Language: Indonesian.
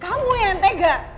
kamu yang tega